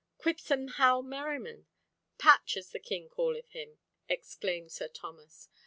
"Quipsome Hal Merriman! Patch as the King calleth him!" exclaimed Sir Thomas.